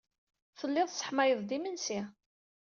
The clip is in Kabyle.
Tellid tesseḥmayed-d imensi.